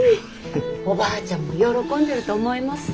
おばあちゃんも喜んでると思います。